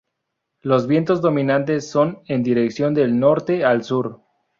Los vientos dominantes son en dirección del norte al sur.